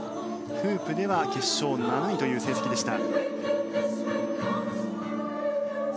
フープでは決勝７位という成績でした。